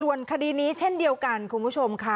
ส่วนคดีนี้เช่นเดียวกันคุณผู้ชมค่ะ